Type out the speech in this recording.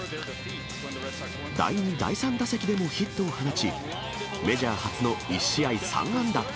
第２、第３打席でもヒットを放ち、メジャー初の１試合３安打。